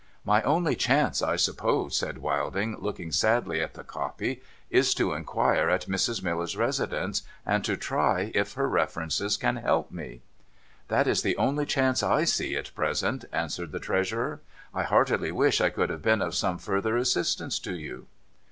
' My only chance, I suppose,' said Wilding, looking sadly at the copy, ' is to inquire at Mrs. Miller's residence, and to try if her references can help me ?'' That is the only chance I see at present,' answered the Treasurer. * I heartily wish I could have been of some further assistance to you.'